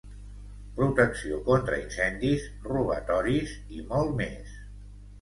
Protecció contra incendis, robatoris i molt més.